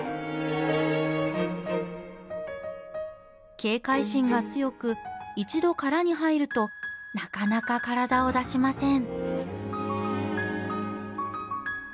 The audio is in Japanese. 警戒心が強く一度殻に入るとなかなか体を出しません。